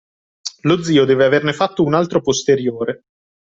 Lo zio deve averne fatto un altro posteriore.